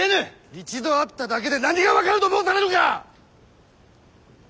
一度会っただけで何が分かると申されるか！